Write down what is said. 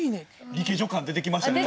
リケジョ感出てきましたね。